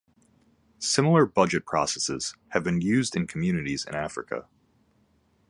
Similar budget processes have been used in communities in Africa.